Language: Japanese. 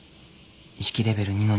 意識レベルⅡの２０。